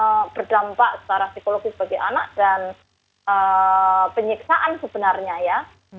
jadi itu adalah dampak secara psikologis bagi anak dan penyiksaan sebenarnya ya